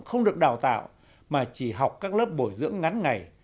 không được đào tạo mà chỉ học các lớp bồi dưỡng ngắn ngày